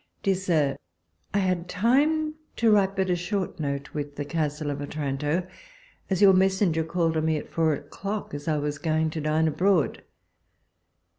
Dear Sir, — I had time to write but a short note with the " Castle of Otranto," as your mes senger called on me at four o'clock, as I was going to dine abroad.